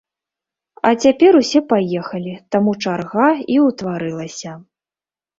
А цяпер усе паехалі, таму чарга і ўтварылася.